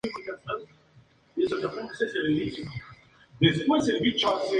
Fundó la Universidad de Marburgo.